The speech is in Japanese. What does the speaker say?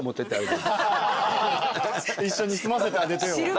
一緒に住ませてあげてよ。